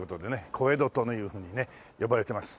小江戸というふうにね呼ばれています。